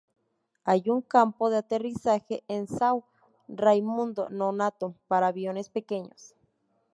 Hay un campo de aterrizaje en São Raimundo Nonato, para aviones pequeños.